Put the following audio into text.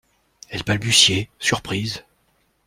Elle balbutiait, surprise.